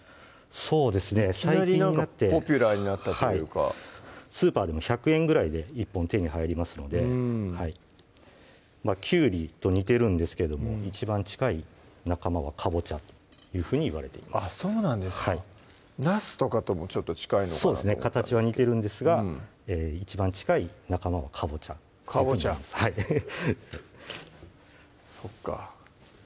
そうですねいきなりポピュラーになったというかスーパーでも１００円ぐらいで１本手に入りますのできゅうりと似てるんですけども一番近い仲間はかぼちゃというふうにいわれていますあっそうなんですかはいなすとかともちょっと近いのかなと思った形は似てるんですが一番近い仲間はかぼちゃかぼちゃはいそっか